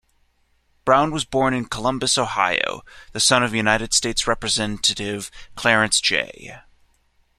Brown was born in Columbus, Ohio, the son of United States Representative Clarence J.